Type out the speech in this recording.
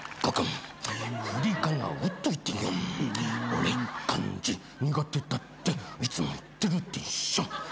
俺漢字苦手だっていつも言ってるでしょ。